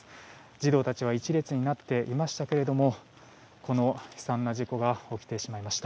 児童たちは１列になっていましたがこの悲惨な事故が起きてしまいました。